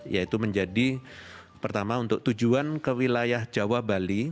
yaitu menjadi pertama untuk tujuan ke wilayah jawa bali